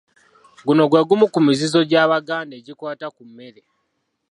Guno gwe gumu ku mizizo gy'Abaganda egikwata ku mmere.